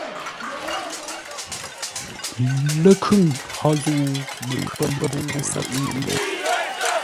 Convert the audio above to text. Ləkhʉŋ hó zə̂u? Məkhʉŋ pə̂ məmbə̂u mə́sə́ʼə́?